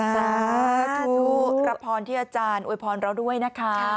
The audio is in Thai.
สาธุรับพรที่อาจารย์อวยพรเราด้วยนะคะ